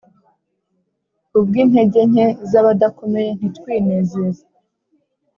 kubwi intege nke z abadakomeye ntitwinezeze